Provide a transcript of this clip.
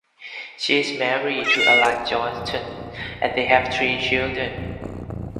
She is married to Allan Johnston and they have three children.